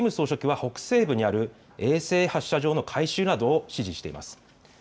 さらにキム総書記は北西部にある衛星発射場の改修などを指示しています。